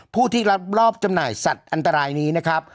ผู้ที่รับรอบจำหน่ายสัตว์อันตรายนี้นะครับ